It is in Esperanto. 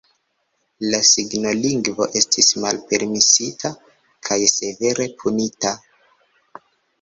La signolingvo estis malpermesita, kaj severe punita.